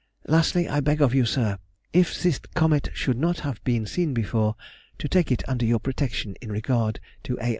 Lastly, I beg of you, sir, if this comet should not have been seen before, to take it under your protection in regard to A.